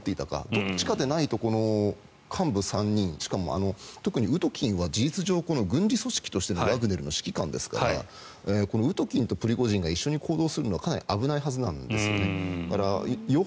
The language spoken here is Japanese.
どっちかでないと幹部３人しかも、ウトキンは事実上、軍事組織としてのワグネルの指揮官ですからこのウトキンとプリゴジンが一緒に行動するのはかなり危ないはずなんですね。